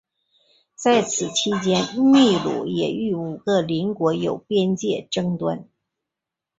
在此期间秘鲁也与五个邻国有边界争端。